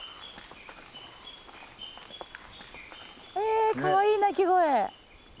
えかわいい鳴き声。